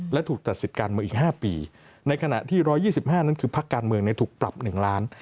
และถูกตัดสิทธิ์การเมืองอีก๕ปีในขณะที่๑๒๕นั้นคือพักการเมืองถูกปรับ๑ล้าน